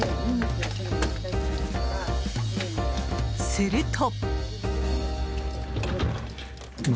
すると。